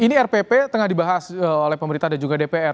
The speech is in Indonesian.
ini rpp tengah dibahas oleh pemerintah dan juga dpr